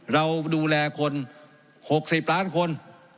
เราดูแลคน๖๐ล้านคน